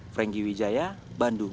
frenkie wijaya bandung